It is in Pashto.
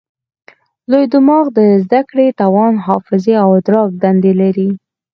لوی دماغ د زده کړې، توان، حافظې او ادراک دندې لري.